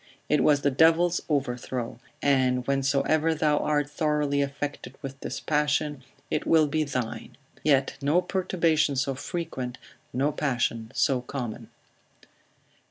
It was the devil's overthrow; and whensoever thou art thoroughly affected with this passion, it will be thine. Yet no perturbation so frequent, no passion so common.